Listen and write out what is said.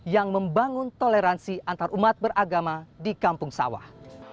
yang membangun toleransi antarumat beragama di kampung sawah